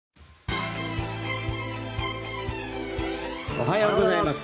おはようございます。